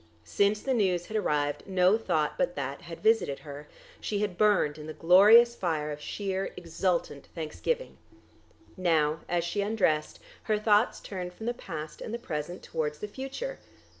Since the news had arrived no thought but that had visited her. She had burned in the glorious fire of sheer exultant thanksgiving. Now, as she undressed, her thoughts turned from the past and the present towards the future.